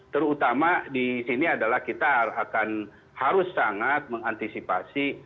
terutama di sini adalah kita akan harus sangat mengantisipasi